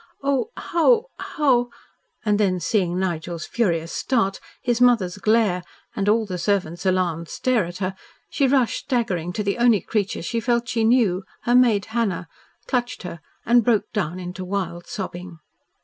"Oh! how how " And then seeing Nigel's furious start, his mother's glare and all the servants' alarmed stare at her, she rushed staggering to the only creature she felt she knew her maid Hannah, clutched her and broke down into wild sobbing.